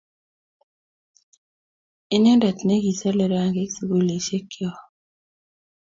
Inendet ne kisalei rangiik sugulisyekcho.